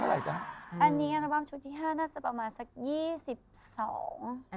อันนี้พรวมช่วงที่ห้าน่าจะประมาณสักอยี่สิบสอง